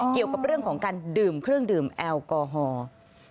เกี่ยวกับเรื่องของการดื่มเครื่องดื่มแอลกอฮอล์